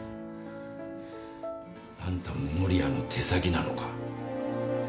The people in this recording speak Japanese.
あんたも守谷の手先なのか？